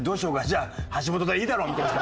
じゃあ橋本でいいだろう」みたいに。